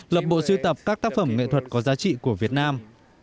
lập bộ siêu tập các tác phẩm nghệ thuật có giá trị của việt nam